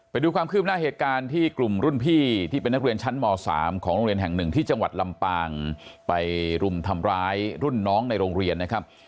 ไปดูความคืบหน้าเหตุการณ์ที่กลุ่มรุ่นพี่ที่เป็นนักเรียนชั้นม๓ของโรงเรียนแห่งหนึ่งที่จังหวัดลำปางไปรุมทำร้ายรุ่นน้องในโรงเรียนนะครับ